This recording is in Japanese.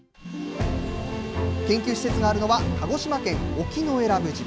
研究施設があるのは、鹿児島県沖永良部島。